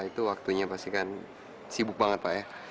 itu waktunya pasti kan sibuk banget pak ya